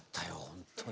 本当に。